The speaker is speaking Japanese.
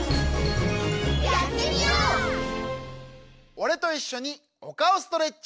おれといっしょにおかおストレッチ。